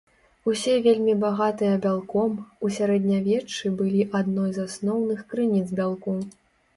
Усе вельмі багатыя бялком, у сярэднявеччы былі адной з асноўных крыніц бялку.